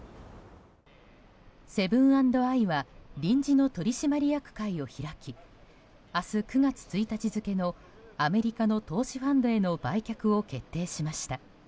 セブン＆アイは臨時の取締役会を開き明日、９月１日付のアメリカの投資ファンドへの売却を決定しました。